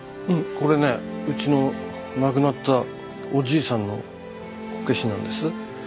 これねうちの亡くなったおじいさんのこけしなんです。